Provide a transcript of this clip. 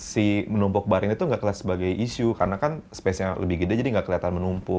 si menumpuk bareng itu gak kelihatan sebagai isu karena kan space nya lebih gede jadi nggak kelihatan menumpuk